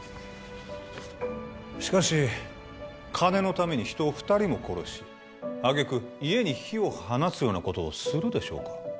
しかし金のために人を二人も殺しあげく家に火を放つようなことをするでしょうか